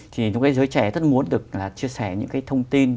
thì những cái giới trẻ rất muốn được là chia sẻ những cái thông tin